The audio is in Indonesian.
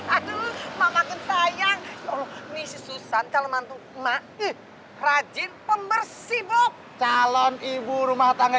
aduh makan sayang oh ini susah kalau mantu mak rajin pembersih buk calon ibu rumah tangga